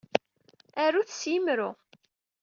Arut s yemru.